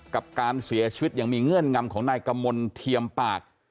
กับการเสียชีวิตอย่างมีเงื่อนงำของนายกมลเทียมปาก